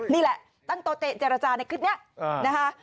นี่แหละตั้งโตเตเจรจาในคลิปนี้นะคะ